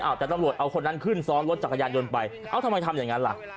เอาแต่ตำรวจเอาคนนั้นขึ้นซ้อนรถจักรยานยนต์ไปเอ้าทำไมทำอย่างนั้นล่ะ